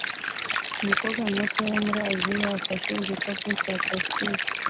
Umukobwa muto wo muri Aziya ufashe igikapu cya plastiki